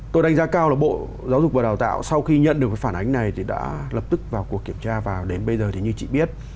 tôi đánh giá cao là bộ giáo dục và đào tạo sau khi nhận được cái phản ánh này thì đã lập tức vào cuộc kiểm tra vào đến bây giờ thì như chị biết